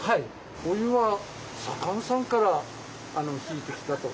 お湯は佐勘さんから引いてきたと。